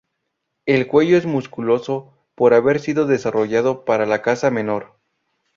El cuello es musculoso por haber sido desarrollado para la caza menor.